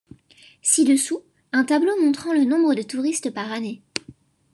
Ci-dessous, un tableau montrant le nombre de touristes par année.